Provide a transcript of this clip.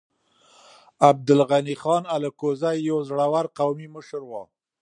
عبدالغني خان الکوزی يو زړور قومي مشر و.